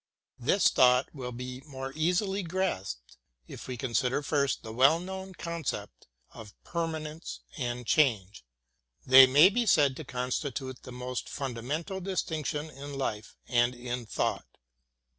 This thought will be more easily grasped, if we consider first the well known concept of permanence and change. They may be said to constitute the most funda mental distinction in life and in thought.